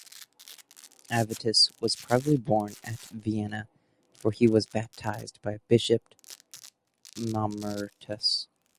Avitus was probably born at Vienne, for he was baptized by bishop Mamertus.